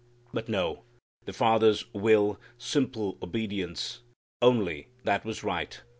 But no the Father's will simple obedience only that was right.